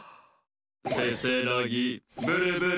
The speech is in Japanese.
せせらぎブルブル。